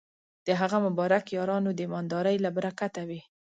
د هغه مبارک یارانو د ایماندارۍ له برکته وې.